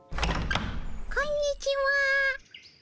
こんにちは。